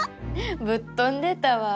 ぶっとんでたわ。